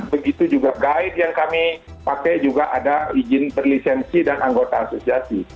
begitu juga guide yang kami pakai juga ada izin berlisensi dan anggota asosiasi